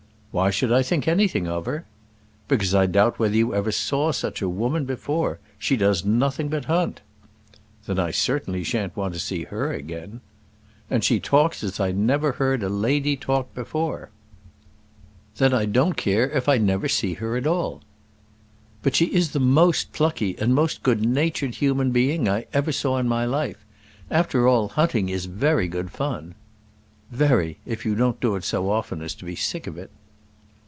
"Why should I think anything of her?" "Because I doubt whether you ever saw such a woman before. She does nothing but hunt." "Then I certainly shan't want to see her again." "And she talks as I never heard a lady talk before." "Then I don't care if I never see her at all." "But she is the most plucky and most good natured human being I ever saw in my life. After all, hunting is very good fun." "Very; if you don't do it so often as to be sick of it."